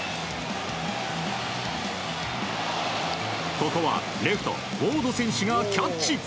ここはレフトウォード選手がキャッチ。